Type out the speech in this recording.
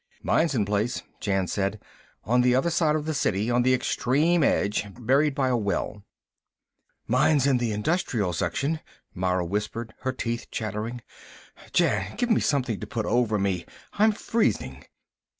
"Mine's in place," Jan said. "On the other side of the City, on the extreme edge. Buried by a well." "Mine's in the industrial section," Mara whispered, her teeth chattering. "Jan, give me something to put over me! I'm freezing."